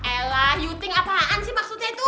elah you think apaan sih maksudnya itu